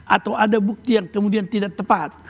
atau ada bukti yang kemudian tidak tepat